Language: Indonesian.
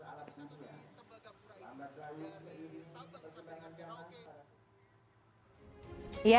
tapi satu lagi tembaga pura ini ini sama dengan daerah oke